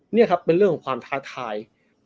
นี่ครับเป็นเรื่องของความท้าทาย